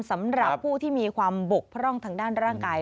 สำหรับผู้ที่มีความบกพร่องทางด้านร่างกาย